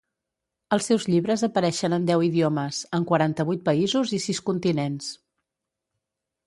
Els seus llibres apareixen en deu idiomes, en quaranta-vuit països i sis continents.